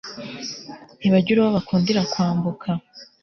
ntibagira uwo bakundira kwambuka